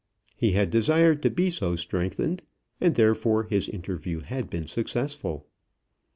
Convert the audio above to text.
He had desired to be so strengthened, and therefore his interview had been successful.